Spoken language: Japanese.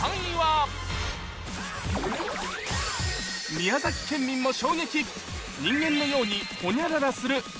宮崎県民も衝撃！